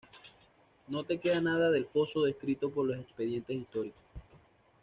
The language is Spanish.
No queda nada del foso descrito por los expedientes históricos.